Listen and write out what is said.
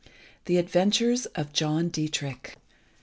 THE ADVENTURES OF JOHN DIETRICH.